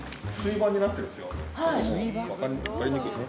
分かりにくいかな。